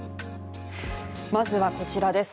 まずはこちらです。